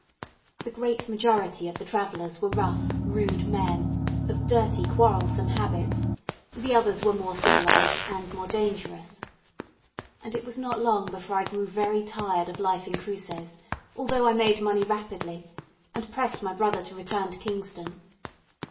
The great majority of the travellers were rough, rude men, of dirty, quarrelsome habits; the others were more civilized and more dangerous. And it was not long before I grew very tired of life in Cruces, although I made money rapidly, and pressed my brother to return to Kingston.